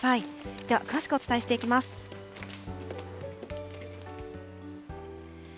では詳しくお伝えしていきます。